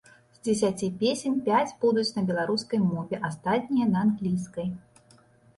З дзесяці песень пяць будуць на беларускай мове, астатнія на англійскай.